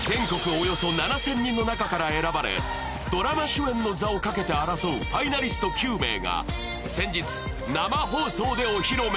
およそ７０００人の中から選ばれドラマ主演の座をかけて争うファイナリスト９名が先日生放送でお披露目